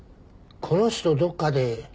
この人どっかで。